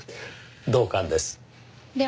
同感です。